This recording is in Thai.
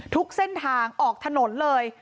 ทุกเส้นทางออกถนนเลย